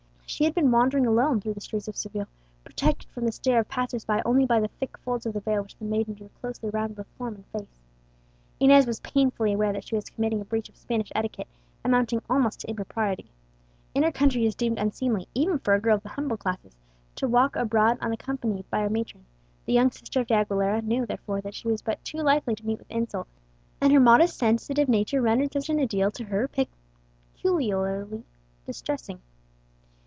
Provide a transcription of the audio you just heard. She had been wandering alone through the streets of Seville, protected from the stare of passers by only by the thick folds of the veil which the maiden drew closely around both form and face. Inez was painfully aware that she was committing a breach of Spanish etiquette, amounting almost to impropriety. In her country it is deemed unseemly, even for a girl of the humble classes, to walk abroad unaccompanied by a matron; the young sister of De Aguilera knew, therefore, that she was but too likely to meet with insult; and her modest, sensitive nature rendered such an ordeal to her peculiarly distressing.